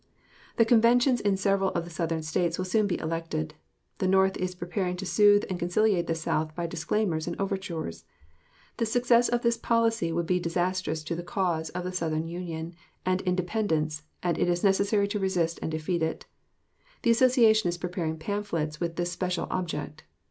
The conventions in several of the Southern States will soon be elected. The North is preparing to soothe and conciliate the South by disclaimers and overtures. The success of this policy would be disastrous to the cause of Southern Union and Independence, and it is necessary to resist and defeat it. The Association is preparing pamphlets with this special object.